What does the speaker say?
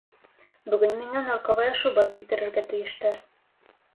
Бөгөн миңә норковая шуба килтерергә тейештәр.